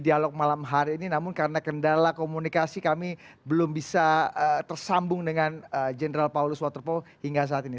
dan terima kasih kembali dengan general paulus waterpoo hingga saat ini